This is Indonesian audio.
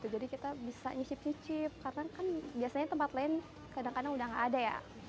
jadi kita bisa nyicip nyicip karena kan biasanya tempat lain kadang kadang sudah tidak ada ya